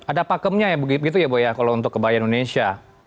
ada pakemnya ya begitu ya bu ya kalau untuk kebaya indonesia